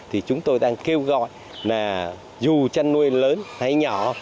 thì chúng tôi đang kêu gọi là dù chăn nuôi lớn hay nhỏ